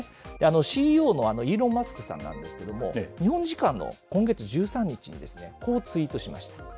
ＣＥＯのイーロン・マスクさんなんですけれども、日本時間の今月１３日に、こうツイートしました。